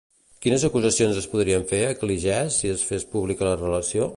Quines acusacions es podrien fer a Cligès si es fes pública la relació?